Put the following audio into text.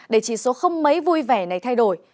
để chỉ số không mấy vui vẻ này thay đổi